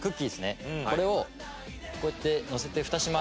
これをこうやってのせてフタします。